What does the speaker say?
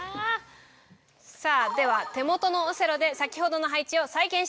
さぁでは手元のオセロで先程の配置を再現してください。